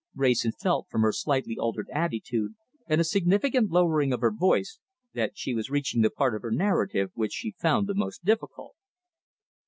Wrayson felt, from her slightly altered attitude and a significant lowering of her voice, that she was reaching the part of her narrative which she found the most difficult.